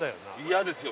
嫌ですよ